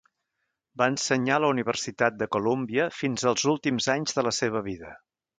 Va ensenyar a la Universitat de Colúmbia fins als últims anys de la seva vida.